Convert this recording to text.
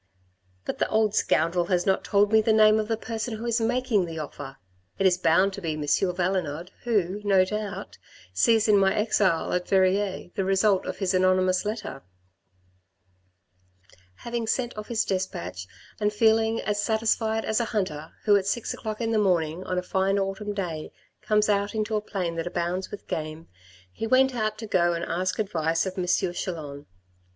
" But the old scoundrel has not told me the name of the person who is making the offer. It is bound to be M. Valenod who, no doubt, sees in my exile at Verrieres the result of his anonymous letter." 144 THE RED AND THE BLACK Having sent off his despatch and feeling as satisfied as a hunter who at six o'clock in the morning on a fine autumn day, comes out into a plain that abounds with game, he went out to go and ask advice of M. Chelan.